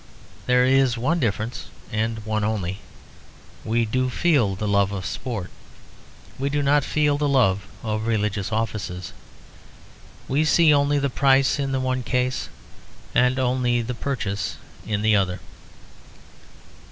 There is one difference and one only: we do feel the love of sport; we do not feel the love of religious offices. We see only the price in the one case and only the purchase in the other.